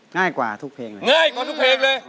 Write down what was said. ง่ายกว่าทุกเพลงเลยง่ายกว่าทุกเพลงเลย